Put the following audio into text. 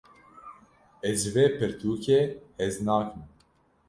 Ez ji vê pirtûkê hez nakim.